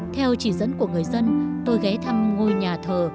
theo chỉ dẫn của người dân tôi ghé thăm ngôi nhà thờ